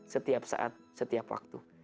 setiap saat setiap waktu